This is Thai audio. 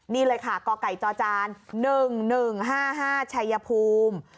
นี่เลยค่ะกไก่จจ๑๑๕๕ชัยภูมิ